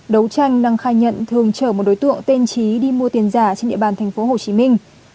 đấu tranh năng khai nhận thường chở một đối tượng tên trí đi mua tiền giả trên địa bàn thành phố hồ chí minh